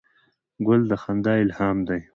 ګل د خندا الهام دی.